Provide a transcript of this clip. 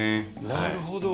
なるほど。